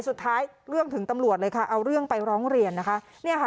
เรื่องถึงตำรวจเลยค่ะเอาเรื่องไปร้องเรียนนะคะเนี่ยค่ะ